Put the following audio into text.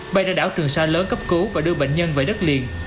bay ra đảo trường sa lớn cấp cứu và đưa bệnh nhân về đất liền